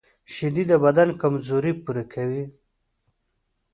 شیدې د بدن کمزوري پوره کوي